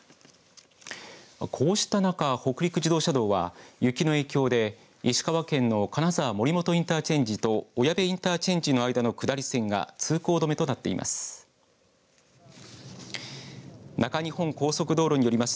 こうした中、北陸自動車道は雪の影響で石川県の金沢森本インターチェンジと小矢部インターチェンジの間の下り線が通行止めとなっています。